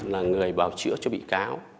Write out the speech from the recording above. là người bảo chữa cho bị cáo